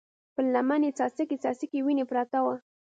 پر لمن يې څاڅکي څاڅکې وينه پرته وه.